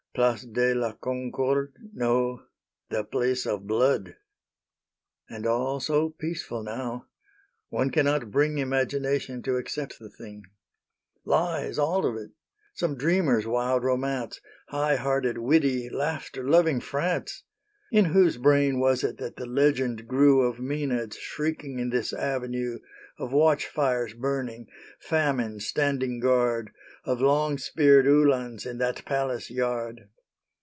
... Place de la Concorde no, the Place of Blood! And all so peaceful now! One cannot bring Imagination to accept the thing. Lies, all of it! some dreamer's wild romance High hearted, witty, laughter loving France! In whose brain was it that the legend grew Of Maenads shrieking in this avenue, Of watch fires burning, Famine standing guard, Of long speared Uhlans in that palace yard!